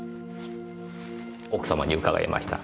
奥様に伺いました。